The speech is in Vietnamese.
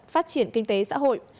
phát triển kinh tế xã hội